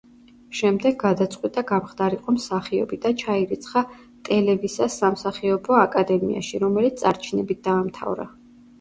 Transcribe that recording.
შემდეგ გადაწყვიტა, გამხდარიყო მსახიობი და ჩაირიცხა ტელევისას სამსახიობო აკადემიაში, რომელიც წარჩინებით დაამთავარა.